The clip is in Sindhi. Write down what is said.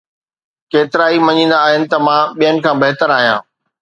ڪيترائي مڃيندا آھن ته مان ٻين کان بھتر آھيان